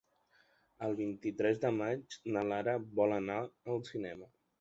El vint-i-tres de maig na Lara vol anar al cinema.